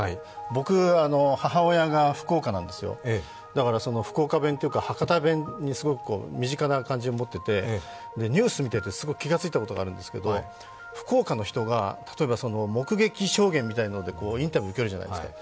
だから、福岡弁というか、博多弁にすごく身近な感じを持ってて、ニュース見てて、気がついたことがあるんですけど、福岡の人が例えば目撃証言みたいなのでインタビュー受けるじゃないですか。